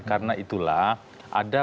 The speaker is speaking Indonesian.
karena itulah ada